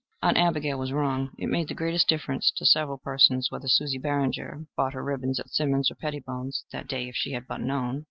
Aunt Abigail was wrong. It made the greatest difference to several persons whether Susie Barringer bought her ribbons at Simmons' or Pettybones' that day. If she had but known!